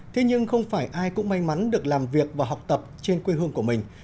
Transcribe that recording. thế nhưng không phải ai cũng may mắn được làm việc và học tập trên quê hương của mình